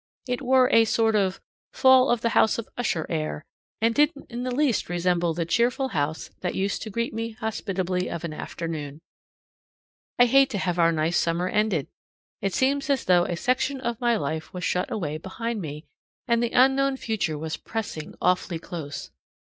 It wore a sort of fall of the House of Usher air, and didn't in the least resemble the cheerful house that used to greet me hospitably of an afternoon. I hate to have our nice summer ended. It seems as though a section of my life was shut away behind me, and the unknown future was pressing awfully close.